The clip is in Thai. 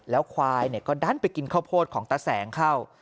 แล้วควายก็ดันไปกินข้าวโพดของตาแสงเข้า